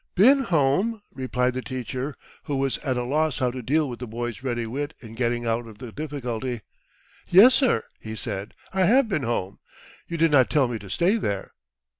"Been home?" replied the teacher, who was at a loss how to deal with the boy's ready wit in getting out of the difficulty. "Yes, sir," he said, "I have been home. You did not tell me to stay there."